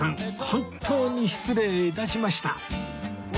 本当に失礼致しました